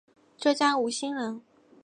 浙江吴兴人。